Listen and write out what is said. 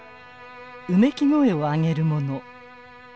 うめき声を上げる者。